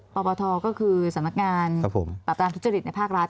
ปปทก็คือสำนักงานปราบรามทุจริตในภาครัฐ